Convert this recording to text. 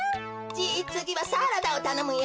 じいつぎはサラダをたのむよ。